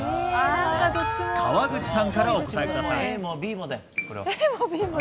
川口さんからお答えください。